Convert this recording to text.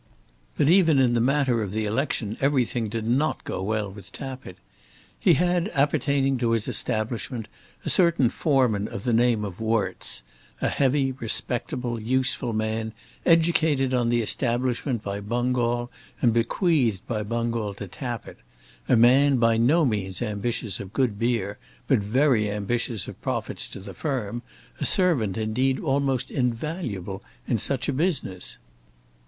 But even in the matter of the election everything did not go well with Tappitt. He had appertaining to his establishment a certain foreman of the name of Worts, a heavy, respectable, useful man, educated on the establishment by Bungall and bequeathed by Bungall to Tappitt, a man by no means ambitious of good beer, but very ambitious of profits to the firm, a servant indeed almost invaluable in such a business.